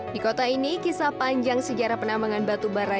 di kota ini kisah panjang sejarah penambangan batubara